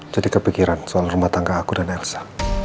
jadi kepikiran soal rumah tangga aku dan elsa